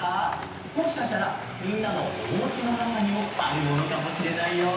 もしかしたらみんなのおうちのなかにもあるものかもしれないよ。